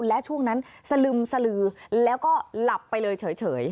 และช่วงนั้นสลึมสลือแล้วก็หลับไปเลยเฉย